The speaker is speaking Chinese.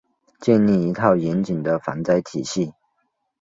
建立一套严谨的防灾体系